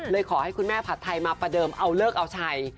ขอให้คุณแม่ผัดไทยมาประเดิมเอาเลิกเอาชัย